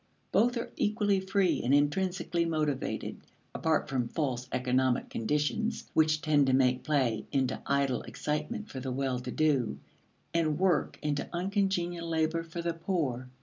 Both are equally free and intrinsically motivated, apart from false economic conditions which tend to make play into idle excitement for the well to do, and work into uncongenial labor for the poor.